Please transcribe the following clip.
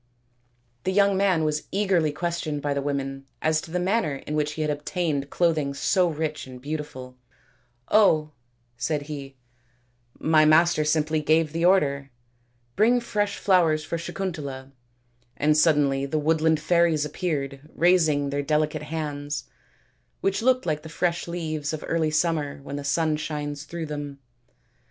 SAKUNTALA AND DUSHYANTA 231 The young man was eagerly questioned by the women as to the manner in which he had obtained clothing so rich and beautiful " Oh/ 5 said he, " my master simply gave the order, ' Bring fresh flowers for Sakuntala/ and suddenly the woodland fairies appeared, raising their delicate hands, which looked like the fresh leaves of early summer when the sun shines through them.